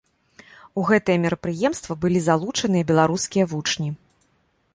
У гэтае мерапрыемства былі залучаныя беларускія вучні.